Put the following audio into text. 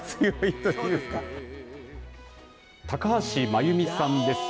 高橋真由美さんです。